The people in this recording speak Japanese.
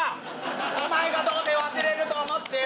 お前がどうせ忘れると思ってよ！